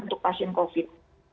untuk pasien covid